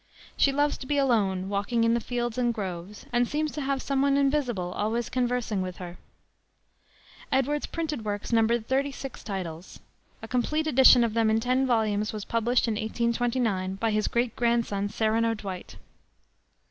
She loves to be alone, walking in the fields and groves, and seems to have some one invisible always conversing with her." Edwards's printed works number thirty six titles. A complete edition of them in ten volumes was published in 1829 by his great grandson, Sereno Dwight.